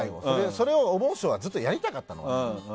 それをおぼん師匠はずっとやりたかったの。